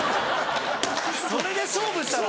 それで勝負したら。